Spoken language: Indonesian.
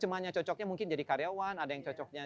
cuman cocoknya mungkin jadi karyawan ada yang cocoknya